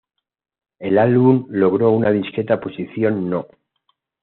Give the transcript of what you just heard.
El álbum logró una discreta posición No.